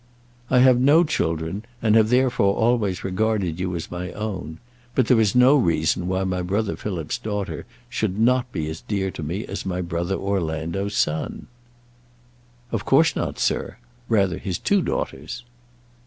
"I have no children, and have therefore always regarded you as my own. But there is no reason why my brother Philip's daughter should not be as dear to me as my brother Orlando's son." "Of course not, sir; or, rather, his two daughters."